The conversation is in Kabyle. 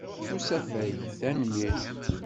S usafag, tanemmirt.